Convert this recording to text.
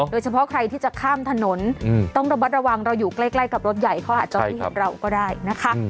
โดยเฉพาะใครที่จะข้ามถนนต้องระมัดระวังเราอยู่ใกล้กับรถใหญ่เขาอาจจะไม่เห็นเราก็ได้นะคะ